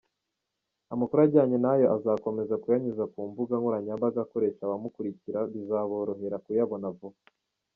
Amakuru ajyanye nayo azakomeza kuyanyuza ku mbuga nkoranyambaga akoresha abamukurikira bizaborohera kuyabona vuba.